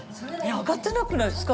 上がってなくないですか？